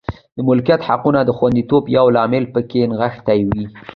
د ملکیت حقونو د خوندیتوب یو لامل په کې نغښتې وې.